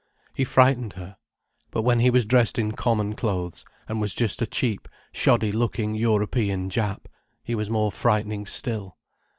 He frightened her. But when he was dressed in common clothes, and was just a cheap, shoddy looking European Jap, he was more frightening still.